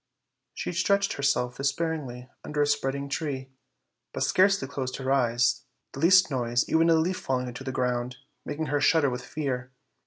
She stretched herself despairingly under a spreading tree, but scarcely closed her eyes; the least noise, even a leaf falling on the ground, making her shudder with fear.